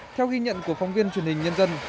theo ghi nhận của phóng viên truyền hình nhân dân